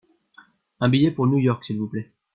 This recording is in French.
Un billet pour New York s’il vous plait.